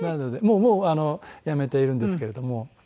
もうやめているんですけれども。